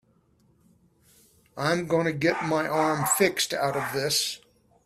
I'm gonna get my arm fixed out of this.